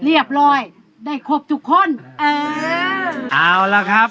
เรียบร้อยได้ครบทุกคนเออเอาละครับ